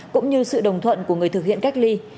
cũng như sự đồng thuận của người thực hiện cách ly